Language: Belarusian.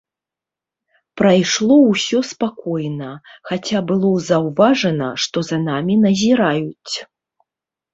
Прайшло ўсё спакойна, хаця было заўважна, што за намі назіраюць.